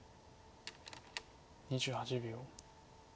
２８秒。